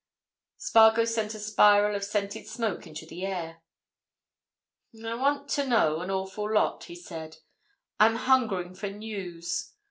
Spargo sent a spiral of scented smoke into the air. "I want to know an awful lot," he said. "I'm hungering for news.